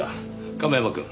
亀山くん。